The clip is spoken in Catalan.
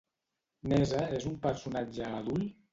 Nezha és un personatge adult?